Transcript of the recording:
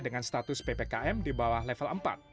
dengan status ppkm di bawah level empat